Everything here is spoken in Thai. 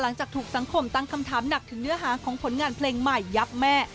หลังจากถูกสังคมตั้งคำถามหนักถึงเนื้อหาของผลงานเพลงใหม่ยับแม่